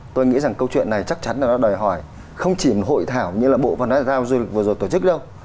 tôi nghĩ rằng câu chuyện này chắc chắn là nó đòi hỏi không chỉ hội thảo như là bộ văn hóa giao du lịch vừa rồi tổ chức đâu